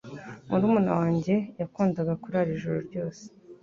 Murumuna wanjye yakundaga kurara ijoro ryose.